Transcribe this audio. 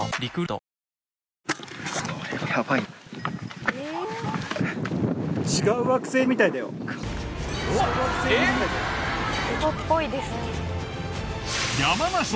秘境っぽいですね。